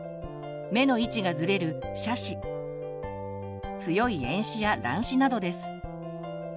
目の位置がずれる斜視強い遠視や乱視などです。